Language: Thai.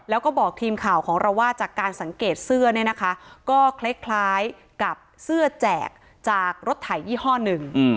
แล้วก็บอกทีมข่าวของเราว่าจากการสังเกตเสื้อเนี่ยนะคะก็คล้ายกับเสื้อแจกจากรถไถยี่ห้อหนึ่ง